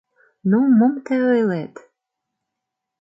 — Ну, мом тый ойлет?